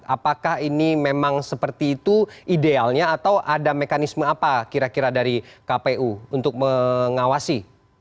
apakah ini memang seperti itu idealnya atau ada mekanisme apa kira kira dari kpu untuk mengawasi